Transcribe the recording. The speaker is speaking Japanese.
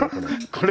これ。